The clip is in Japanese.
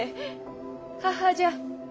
母じゃ。